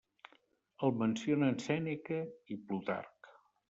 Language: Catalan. El mencionen Sèneca i Plutarc.